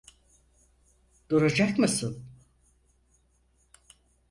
Duracak mısın?